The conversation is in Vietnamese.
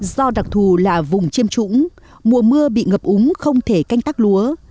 do đặc thù là vùng chiêm trũng mùa mưa bị ngập úng không thể canh tác lúa